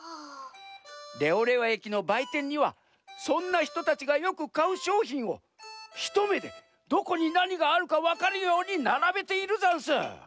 レオレオえきのばいてんにはそんなひとたちがよくかうしょうひんをひとめでどこになにがあるかわかるようにならべているざんす。